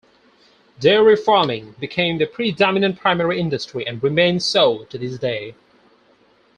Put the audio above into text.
Dairy farming became the predominant primary industry and remains so to this day.